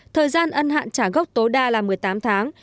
thời gian ân hạn trả gốc tối đa là một mươi tám tháng